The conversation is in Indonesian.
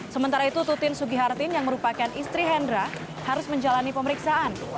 sementara itu tutin sugihartin yang merupakan istri hendra harus menjalani pemeriksaan